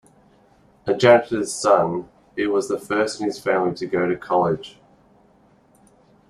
A janitor's son, he was the first in his family to go to college.